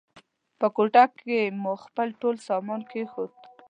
په کوټه کې مو خپل ټول سامان کېښود.